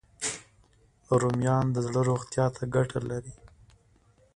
رومیان د زړه روغتیا ته ګټه لري